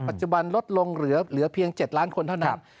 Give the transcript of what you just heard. ปัจจุบันลดลงเหลือเพียง๗ล้านคนเท่านั้น